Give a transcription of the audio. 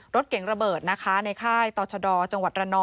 รถเก่งระเบิดในค่ายตโชดจรน